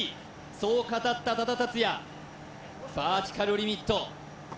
そう語った多田竜也バーティカルリミット